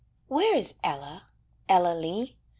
Where is Ella? Ella Lee?